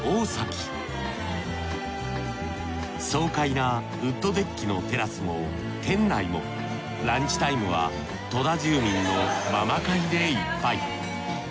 爽快なウッドデッキのテラスも店内もランチタイムは戸田住民のママ会でいっぱい。